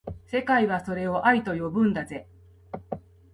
世界はそれを愛と呼ぶんだぜ